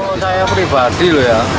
kalau saya pribadi loh ya